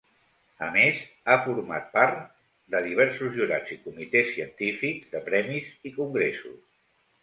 A més, ha format part de diversos jurats i comitès científics de premis i congressos.